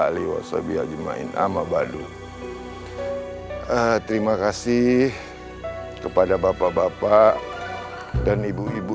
alihi wa sahbihi ajma'in amma ba'du terima kasih kepada bapak bapak dan ibu ibu